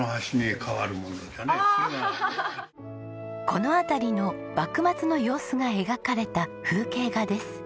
この辺りの幕末の様子が描かれた風景画です。